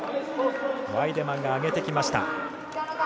ワイデマンが上げてきました。